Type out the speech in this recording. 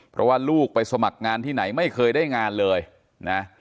เพราะว่าลูกไปสมัครงานที่ไหนไม่เคยได้งานเลยนะ